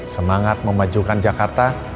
semangat memajukan jakarta